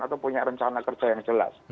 atau punya rencana kerja yang jelas